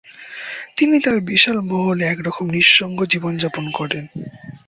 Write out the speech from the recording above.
তিনি তার বিশাল মহলে এক রকম নিঃসঙ্গ জীবন যাপন করেন।